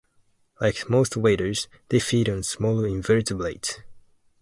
Like most waders, they feed on small invertebrates.